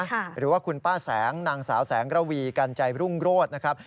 หรือว่าคุณป้าแสงนางสาวแสงระวีกันใจรุ่งโรธนะครับ